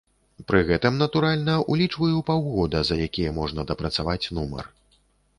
Пры гэтым, натуральна, улічваю паўгода, за якія можна дапрацаваць нумар.